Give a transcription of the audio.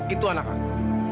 itu anak aku